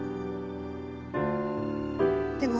でも。